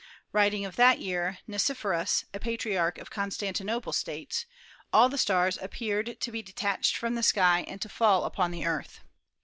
Writing of that year, Nicephorus, a Patriarch of Constantinople, states: "All the stars appeared to be de tached from the sky and to fall upon the Earth."